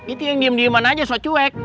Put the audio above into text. itu yang diem dieman aja soal cuek